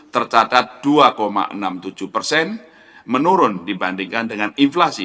tercatat dua enam puluh tujuh persen menurun dibandingkan dengan inflasi